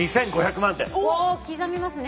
お刻みますね。